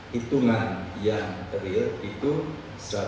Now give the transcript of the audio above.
hitungan yang real itu rp satu ratus tiga puluh satu